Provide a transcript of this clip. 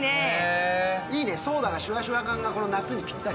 いいね、ソーダがシュワシュワ感が夏にぴったり。